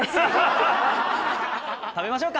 食べましょうか。